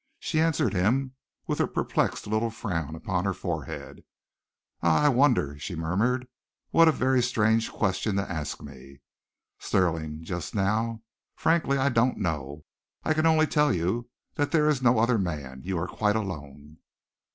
She answered him with a perplexed little frown upon her forehead. "Ah, I wonder!" she murmured. "What a very strange question to ask me, Stirling, just now! Frankly, I don't know. I can only tell you that there is no other man. You are quite alone."